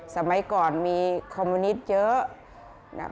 สมัยก่อนมีคอมมิวนิตเยอะ